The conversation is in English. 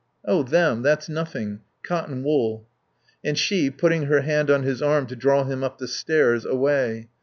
"Oh, them. That's nothing. Cotton wool." And she, putting her hand on his arm to draw him up the stairs, away.